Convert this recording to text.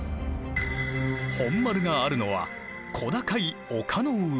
本丸があるのは小高い丘の上。